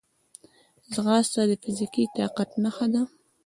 ځغاسته د فزیکي طاقت نښه ده